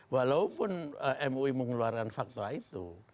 walaupun mui mengeluarkan fatwa itu